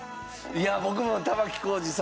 いや僕も玉置浩二さん。